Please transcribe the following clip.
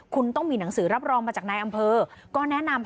คุณต้องมีหนังสือรับรองมาจากนายอำเภอก็แนะนำ